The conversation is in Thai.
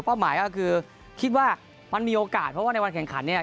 หมายก็คือคิดว่ามันมีโอกาสเพราะว่าในวันแข่งขันเนี่ย